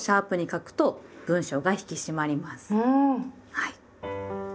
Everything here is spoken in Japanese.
はい。